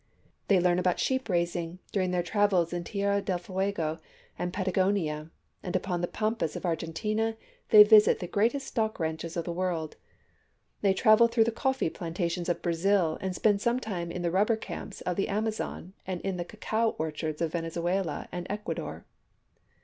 They learn about sheep raising during their travels in Tierra del Fuego and Patagonia, and upon the pampas of Argentina they visit the greatest stock ranches of the world. They travel through the coffee plantations of Brazil, and spend some time in the rubber camps of the Amazon and in the cacao orchards of Venezuela and Ecuador.